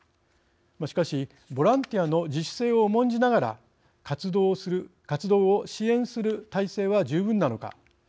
しかし、ボランティアの自主性を重んじながら活動を支援をする態勢は十分なのか。